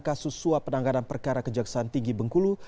kasus suap penanganan perkara kejaksaan tinggi bengkulu